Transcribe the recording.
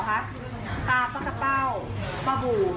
หรือปลาปลากระเปร่า